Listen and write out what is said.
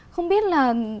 không biết là